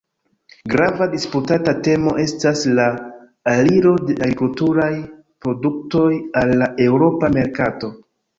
Grava disputata temo estas la aliro de agrikulturaj produktoj al la eŭropa merkato.